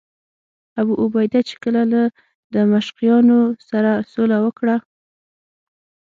ابوعبیده چې کله له دمشقیانو سره سوله وکړه.